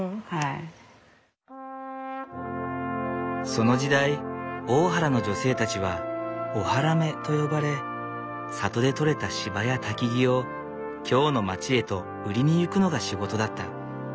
その時代大原の女性たちは大原女と呼ばれ里で取れた柴や薪を京の町へと売りに行くのが仕事だった。